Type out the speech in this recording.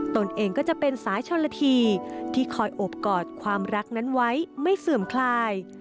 ตนเองก็จะเป็นสายชนละทีที่คอยอบกอดความรักนั้นไว้ไม่เสื่อมคลาย